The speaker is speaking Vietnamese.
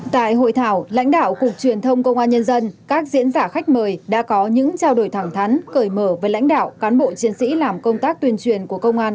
tại hội thảo lãnh đạo cục truyền thông công an nhân dân các diễn giả khách mời đã có những trao đổi thẳng thắn cởi mở với lãnh đạo cán bộ chiến sĩ làm công tác tuyên truyền của công an